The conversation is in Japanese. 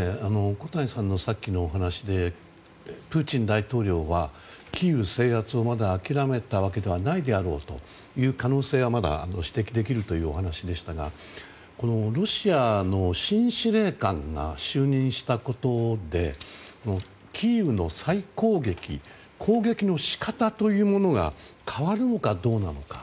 小谷さんのさっきのお話でプーチン大統領はキーウ制圧をまだ諦めたわけではないだろうという可能性は、まだ指摘できるというお話でしたがロシアの新司令官が就任したことでキーウの再攻撃攻撃の仕方というものが変わるのかどうなのか。